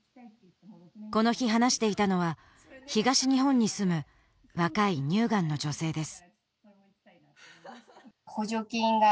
この日話していたのは東日本に住む若い乳がんの女性です